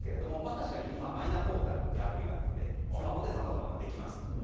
確かに今、マイナポータルというアプリがあってスマホでさまざまなことができます。